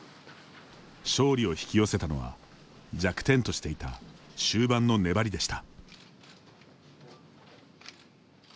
勝利を引き寄せたのは弱点としていた終盤の粘りでした。